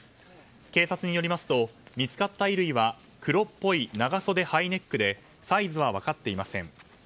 警察によりますと見つかった衣類は黒っぽい長袖ハイネックでサイズは分かっていません。